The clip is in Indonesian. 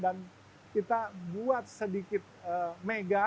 dan kita membuat sedikit mega